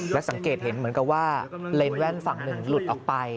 และสังเกตเห็นเหมือนกับว่าเลนแว่นฝั่งหนึ่งหลุดออกไป